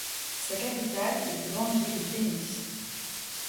Sa capitale et plus grande ville est Phoenix.